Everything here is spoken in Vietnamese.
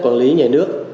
quản lý nhà nước